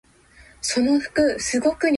おはよう朝だね